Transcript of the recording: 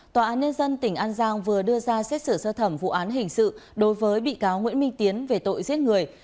tòa án nhân dân tỉnh an giang vừa đưa ra xét xử sơ thẩm vụ án hình sự đối với bị cáo nguyễn minh tiến về tội giết người